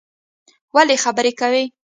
ولی خبری کوی